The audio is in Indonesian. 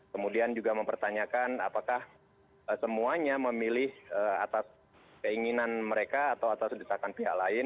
kemudian juga mempertanyakan apakah semuanya memilih atas keinginan mereka atau atas desakan pihak lain